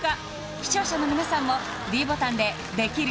視聴者の皆さんもｄボタンでできる？